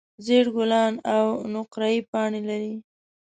زېړ ګلان او نقریي پاڼې لري.